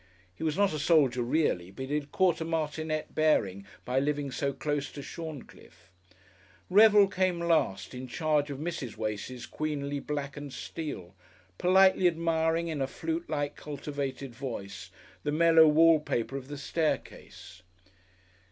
(He was not a soldier really, but he had caught a martinet bearing by living so close to Shorncliffe.) Revel came last, in charge of Mrs. Wace's queenly black and steel, politely admiring in a flute like cultivated voice the mellow wall paper of the staircase.